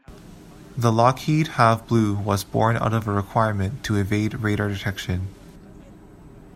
The Lockheed "Have Blue" was born out of a requirement to evade radar detection.